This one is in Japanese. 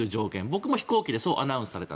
僕も飛行機でそうアナウンスされた。